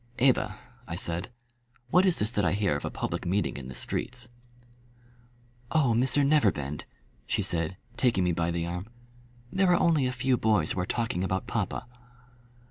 "Eva," I said, "what is this that I hear of a public meeting in the streets?" "Oh, Mr Neverbend," she said, taking me by the arm, "there are only a few boys who are talking about papa."